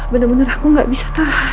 benar benar aku gak bisa tahan